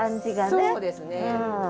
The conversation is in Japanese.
そうですね。